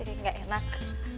ini nggak enak